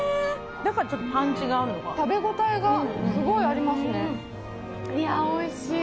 だからちょっとパンチがあんのか食べ応えがすごいありますねいやおいしい！